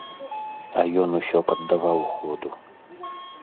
А ён усё паддаваў ходу.